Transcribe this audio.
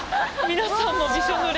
皆さんもびしょぬれ。